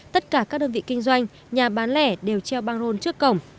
tất cả các đơn vị kinh doanh nhà bán lẻ đều treo băng rôn trước cổng